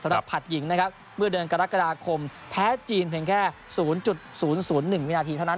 ผัดหญิงนะครับเมื่อเดือนกรกฎาคมแพ้จีนเพียงแค่๐๐๑วินาทีเท่านั้น